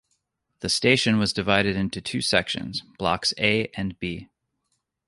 The station was divided into two sections, Blocks A and B.